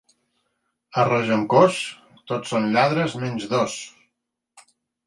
A Regencós, tots són lladres menys dos.